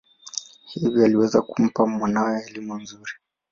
Hivyo aliweza kumpa mwanawe elimu nzuri.